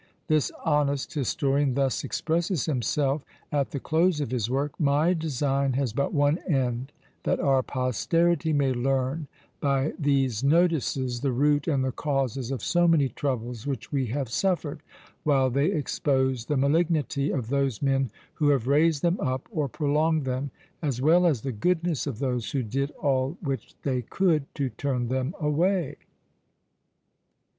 This honest historian thus expresses himself at the close of his work: "My design has but one end that our posterity may learn by these notices the root and the causes of so many troubles which we have suffered, while they expose the malignity of those men who have raised them up or prolonged them, as well as the goodness of those who did all which they could to turn them away."